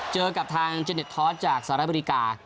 เจอกับทางเจดเท็จทอดจากสารบิริกา